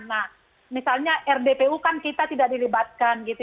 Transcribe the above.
nah misalnya rdpu kan kita tidak dilibatkan gitu